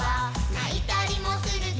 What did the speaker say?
「ないたりもするけれど」